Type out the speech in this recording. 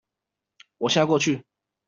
我現在過去